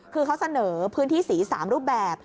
คือเขาเสนอพื้นที่สี๓รูปแบบ